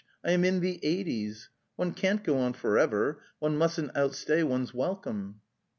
I am in the eighties! One can't go on for ever; one mustn't outstay one's welcome."